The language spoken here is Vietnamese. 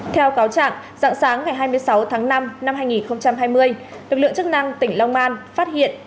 theo cáo trạng dạng sáng ngày hai mươi sáu tháng năm năm hai nghìn hai mươi lực lượng chức năng tỉnh long an phát hiện